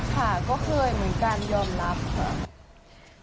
ค่ะก็เคยเหมือนกันยอมรับค่ะ